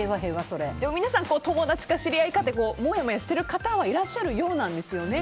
皆さん、友達か知り合いかでもやもやしてる方はいらっしゃるようなんですよね。